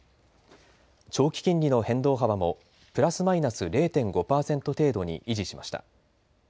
長期金利の変動幅もプラスマイナス０．５％程度に維持しました。